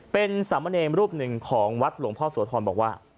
เป็นสามเณรรูปหนึ่งของวัดหลวงพ่อโสธรบอกว่า